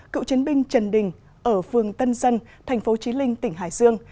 cựu chiến binh trần đình ở phương tân dân thành phố chí linh tỉnh hải dương